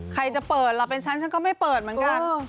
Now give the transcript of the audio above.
ใครจะเปิดล่ะเป็นฉันฉันก็ไม่เปิดเหมือนกัน